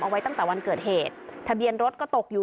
ไว้ตั้งแต่วันเกิดเหตุทะเบียนรถก็ตกอยู่